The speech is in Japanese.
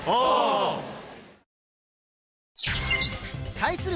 対する